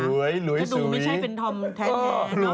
หลวยหลวยสุยถ้าดูไม่ใช่เป็นธอมแทนแทนเนอะ